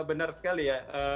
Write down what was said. benar sekali ya